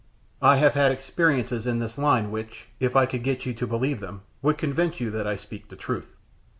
I have had experiences in this line which, if I could get you to believe them, would convince you that I speak the truth.